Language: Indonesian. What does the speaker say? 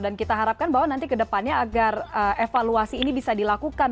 dan kita harapkan bahwa nanti kedepannya agar evaluasi ini bisa dilakukan